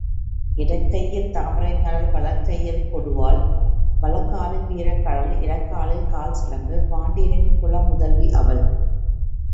இடக்கையில் தாமரைமலர் வலக்கையில் கொடுவாள் வலக்காலில் வீரக்கழல், இடக்காலில் கால்சிலம்பு, பாண்டியனின் குல முதல்வி அவள்.